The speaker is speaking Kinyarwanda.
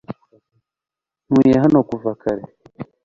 ntuye hano kuva kera